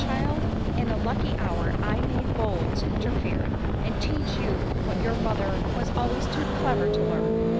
child, in a lucky hour I made bold to interfere, and teach you what your mother was always too clever to learn.